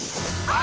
あ！